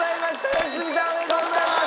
良純さんおめでとうございます！